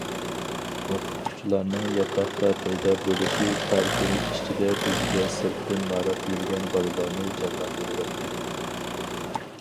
ئوقۇتقۇچىلارنىڭ ياتاقتا پەيدا بولۇشى تارتىنىش ئىچىدە بىزگە سىرتتىن ماراپ يۈرگەن بالىلارنى جانلاندۇرۇۋەتتى.